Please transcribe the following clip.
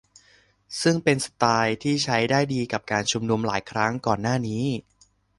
ซึ่งเป็นสไตล์ที่ใช้ได้ดีกับการชุมนุมหลายครั้งก่อนหน้านี้